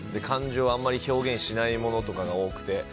感情をあまり表現しないものとかが多くて。